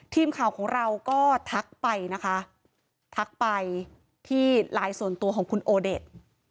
ทีมข่าวของเราก็ทักไปนะคะทักไปที่ไลน์ส่วนตัวของคุณโอเดช